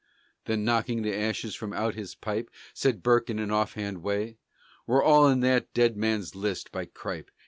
Then, knocking the ashes from out his pipe, Said Burke in an offhand way: "We're all in that dead man's list by Cripe!